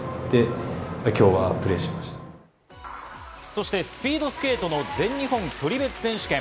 そしてスピードスケートの全日本距離別選手権。